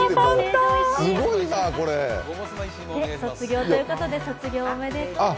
卒業ということで卒業おめでとうと。